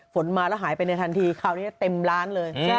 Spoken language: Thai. ฝนมาแล้วหายไปในทันทีคราวนี้เต็มล้านเลย